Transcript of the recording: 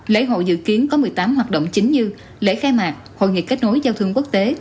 lễ hội dự kiến có một mươi tám hoạt động chính như lễ khai mạc hội nghị kết nối giao thương quốc tế